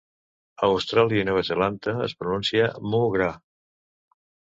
A Austràlia i Nova Zelanda es pronuncia "MuhGrah".